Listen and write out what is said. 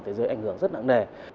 mà thế giới ảnh hưởng rất nặng nề